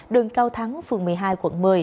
đường cao thắng phường một mươi hai quận một mươi